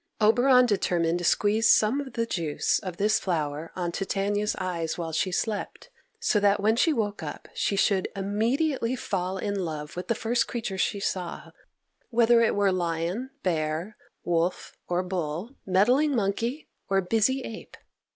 Oberon determined to squeeze some of the juice of this flower on Titania's eyes while she slept, so that when she woke up she should immediately fall in love with the first creature she saw, whether it were lion, bear, wolf, or bull, meddling monkey or busy ape.